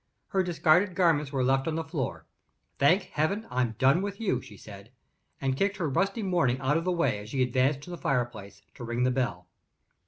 Her discarded garments were left on the floor. "Thank Heaven, I've done with you!" she said and kicked her rusty mourning out of the way as she advanced to the fireplace to ring the bell.